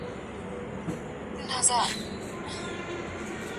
د سبزی خوراک د چاپیریال لپاره ګټور دی.